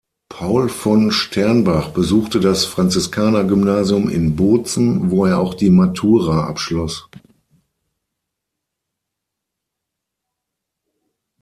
Paul von Sternbach besuchte das Franziskanergymnasium in Bozen, wo er auch die Matura abschloss.